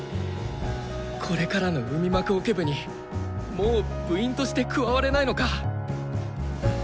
これからの海幕オケ部にもう部員として加われないのか！